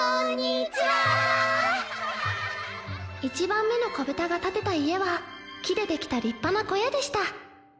１番目の子ぶたが建てた家は木で出来た立派な小屋でした。